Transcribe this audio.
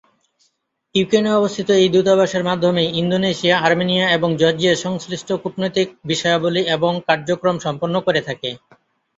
ইউক্রেনে অবস্থিত এই দূতাবাসের মাধ্যমেই, ইন্দোনেশিয়া, আর্মেনিয়া এবং জর্জিয়া সংশ্লিষ্ট কূটনৈতিক বিষয়াবলী এবং কার্যক্রম সম্পন্ন করে থাকে।